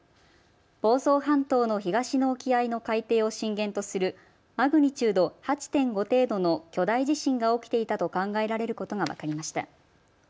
房総半島の東の沖合の海底を震源とするマグニチュード８．５程度の巨大地震が起きていたと考えられることが分かりました。